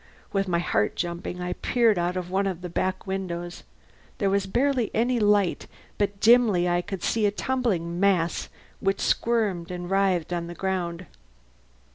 With my heart jumping I peered out of one of the back windows. There was barely any light, but dimly I could see a tumbling mass which squirmed and writhed on the ground.